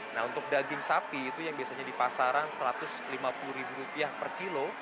nah untuk daging sapi itu yang biasanya di pasaran rp satu ratus lima puluh per kilo